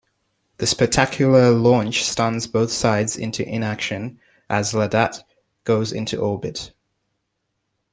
The spectacular launch stuns both sides into inaction as Lhadatt goes into orbit.